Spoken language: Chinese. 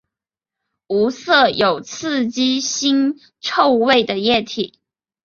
无色有刺激腥臭味的液体。